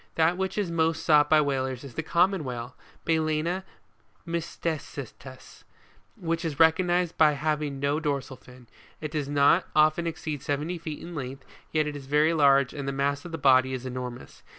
That which is most sought by whalers is the Common Whale, Ral&na i\hjste cetiis, ( t>!ate 6, fig. 7,) which is recognised by its having no dorsal fin ; it does not often exceed seventy feet in length, yet it is very large, and the mass of the body is enormous.